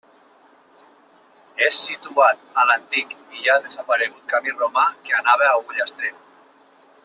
És situat en l'antic i ja desaparegut camí romà que anava a Ullastret.